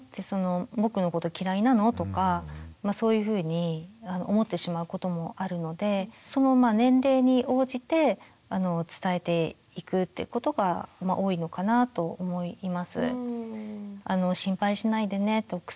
「僕のこと嫌いなの？」とかそういうふうに思ってしまうこともあるのでその年齢に応じて伝えていくってことが多いのかなと思います。